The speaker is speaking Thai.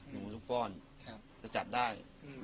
หนูลูกก้อนจะจับได้